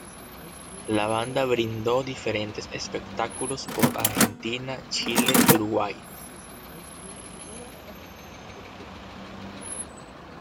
La banda brindo diferentes espectáculos por Argentina, Chile y Uruguay.